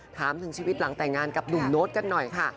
ถามถึงชีวิตหลังแต่งงานกับหนุ่มโน้ตกันหน่อยค่ะ